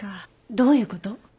どういう事？